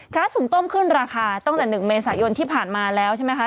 สหุ่งต้มขึ้นราคาตั้งแต่๑เมษายนที่ผ่านมาแล้วใช่ไหมคะ